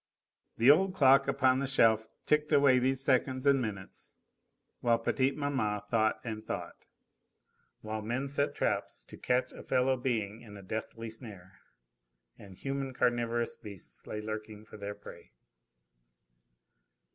The old clock upon the shelf ticked away these seconds and minutes while petite maman thought and thought, while men set traps to catch a fellow being in a deathly snare, and human carnivorous beasts lay lurking for their prey.